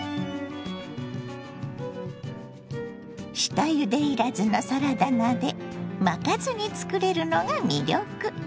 下ゆでいらずのサラダ菜で巻かずに作れるのが魅力。